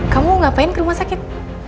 kamu ngapain ke rumah sakit